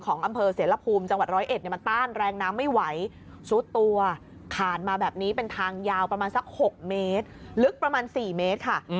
ขาดมาแบบนี้เป็นทางยาวประมาณสักหกเมตรลึกประมาณสี่เมตรค่ะอืม